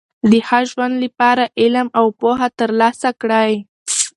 د ښه ژوند له پاره علم او پوهه ترلاسه کړئ!